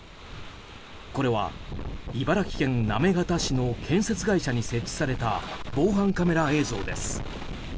これは、茨城県行方市の建設会社に設置された防犯カメラ映像です。